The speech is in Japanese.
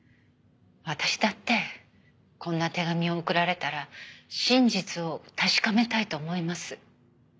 私だってこんな手紙を送られたら真実を確かめたいと思います。